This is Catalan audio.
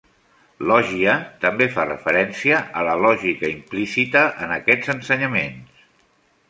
"Logia" també fa referència a la lògica implícita en aquests ensenyaments.